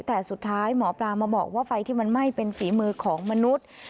แต่สุดท้ายหมอปลามาบอกว่าไฟที่มันไหม้เป็นฝีมือของมนุษย์